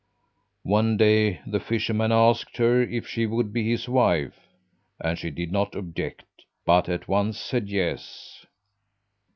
One day the fisherman asked her if she would be his wife, and she did not object, but at once said yes.